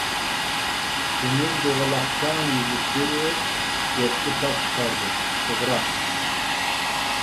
سېمىز دوغىلاق كەڭ يۈزلۈك بىرى گەپكە پاس چىقاردى. -توغرا!